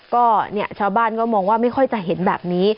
ก็เนี่ยชาวบ้านก็มองว่าไม่ค่อยจะเห็นแบบนี้